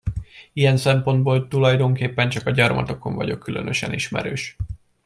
Ilyen szempontból tulajdonképpen csak a gyarmatokon vagyok különösen ismerős.